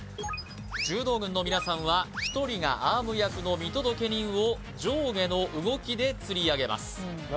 柔道軍の皆さんは１人がアーム役の見届け人を上下の動きで釣り上げます